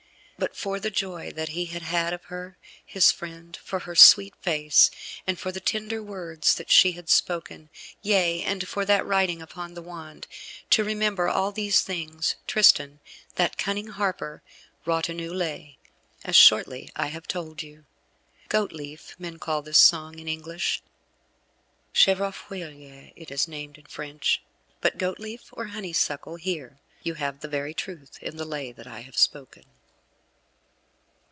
But for the joy that he had had of her, his friend, for her sweet face, and for the tender words that she had spoken, yea, and for that writing upon the wand, to remember all these things, Tristan, that cunning harper, wrought a new Lay, as shortly I have told you. Goatleaf, men call this song in English. Chèvrefeuille it is named in French; but Goatleaf or Honeysuckle, here you have the very truth in the Lay that I have spoken.